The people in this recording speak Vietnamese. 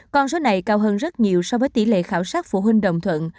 con số này cao hơn rất nhiều so với tỷ lệ khảo sát phụ huynh đồng thuận